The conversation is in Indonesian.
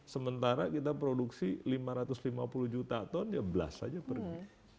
sementara kita produksi lima ratus lima puluh juta ton ya belas aja per jam